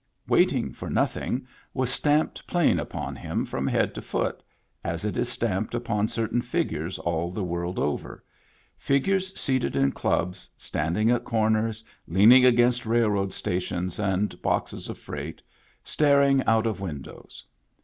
Wait ing for nothing was stamped plain upon him from head to foot, as it is stamped upon certain figures all the world over — figures seated in clubs, standing at corners, leaning against rail road stations and boxes of freight, staring out of windows.